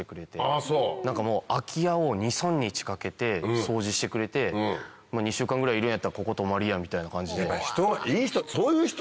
あぁそう！空き家を２３日かけて掃除してくれて「２週間ぐらいいるんやったらここ泊まりや」みたいな感じで。